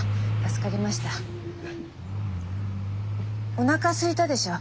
おなかすいたでしょ？